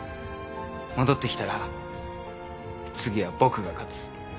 戻ってきたら次は僕が勝つ。